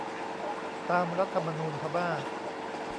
ตามรัฐธรรมนูญพม่า